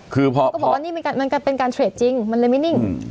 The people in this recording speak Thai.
คือพอก็บอกว่านี่มันเป็นการเทรดจริงมันเลยไม่นิ่ง